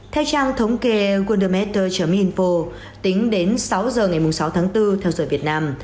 theo trang thống kê wondermatter info tính đến sáu giờ ngày sáu tháng bốn theo dõi việt nam